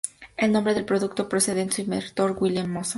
El nombre del producto procede de su inventor, William H. Mason.